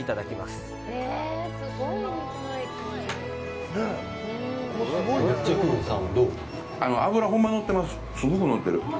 すごく乗ってる。